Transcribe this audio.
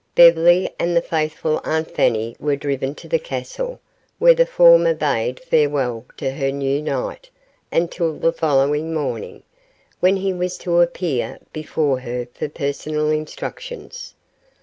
Beverly and the faithful Aunt Fanny were driven to the castle, where the former bade farewell to her new knight until the following morning, when he was to appear before her for personal instructions.